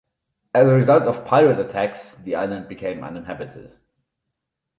As a result of pirate attacks, the island became uninhabited.